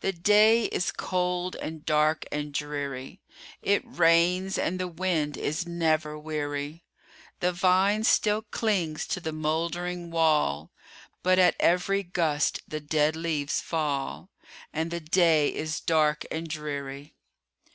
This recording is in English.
The day is cold, and dark, and dreary; It rains, and the wind is never weary; The vine still clings to the moldering wall, But at every gust the dead leaves fall, And the day is dark and dreary.